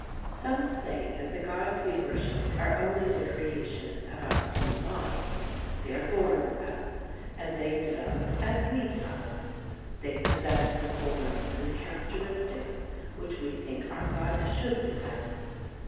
Some say that the gods we worship are only the creation of our own minds. They are born with us, and they develop as we develop. They possess the forms and the characteristics which we think our gods should possess.